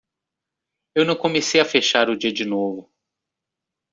Eu não comecei a fechar o dia de novo.